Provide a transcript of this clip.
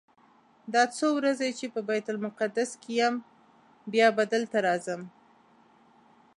دا څو ورځې چې په بیت المقدس کې یم بیا به دلته راځم.